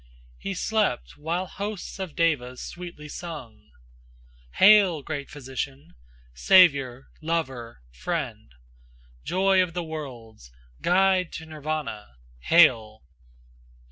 He slept while hosts of devas sweetly sung: "Hail, great physician! savior, lover, friend! Joy of the worlds, guide to Nirvana, hail!"